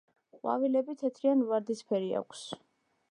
ყვავილები თეთრი ან ვარდისფერი აქვს.